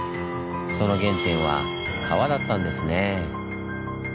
その原点は川だったんですねぇ。